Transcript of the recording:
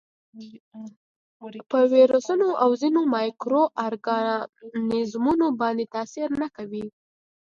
په ویروسونو او ځینو مایکرو ارګانیزمونو باندې تاثیر نه کوي.